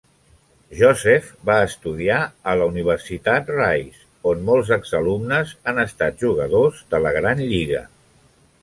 Joseph va estudiar a la Universitat Rice, on molts exalumnes han estat jugadors de la gran lliga.